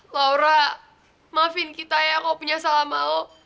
laura maafin kita ya kok punya salah mau